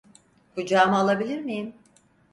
Kucağıma alabilir miyim?